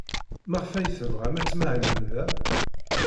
Maɣef ay tebɣam ad tmahlem da?